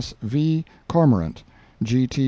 S. V. Cormorant, G. T.